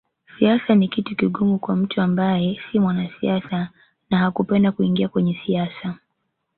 Siasa ni kitu kigumu kwa mtu ambaye si mwanasiasa na hakupenda kuingia kwenye siasa